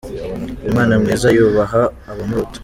Umwana mwiza yubaha abamuruta.